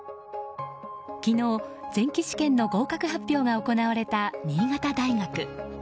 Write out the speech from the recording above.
昨日、前期試験の合格発表が行われた新潟大学。